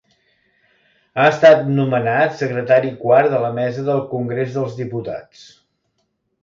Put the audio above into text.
Ha estat nomenat secretari quart de la mesa del Congrés dels Diputats.